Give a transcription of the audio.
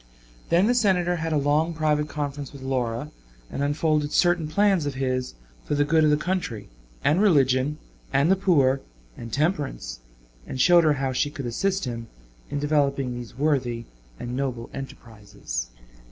Then the Senator had a long private conference with Laura, and unfolded certain plans of his for the good of the country, and religion, and the poor, and temperance, and showed her how she could assist him in developing these worthy and noble enterprises.